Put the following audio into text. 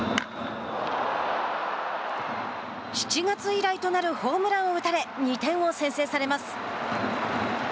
７月以来となるホームランを打たれ２点を先制されます。